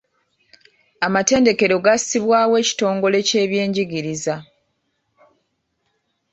Amatendekero gassibwawo ekitongole ky’ebyenjigiriza.